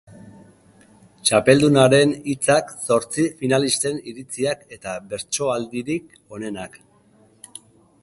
Txapeldunaren hitzak, zortzi finalisten iritziak eta bertsoaldirik onenak.